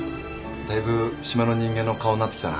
大分島の人間の顔になってきたな。